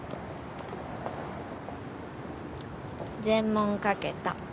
全問書けた。